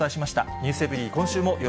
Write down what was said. ｎｅｗｓｅｖｅｒｙ．今週もよ